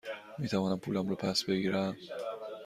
می توانم پولم را پس بگیرم؟